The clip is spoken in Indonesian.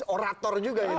orator juga itu bu ani